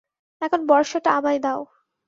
এখন বর্শাটা আমায় দাও।